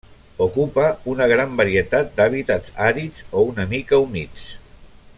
Ocupa una gran varietat d'hàbitats àrids o una mica humits.